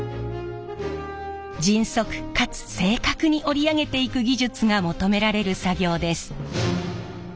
迅速かつ正確に織り上げていく技術が求められる作業です。